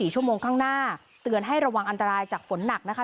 ชั่วโมงข้างหน้าเตือนให้ระวังอันตรายจากฝนหนักนะคะ